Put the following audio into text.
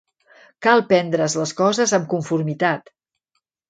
Cal prendre's les coses amb conformitat.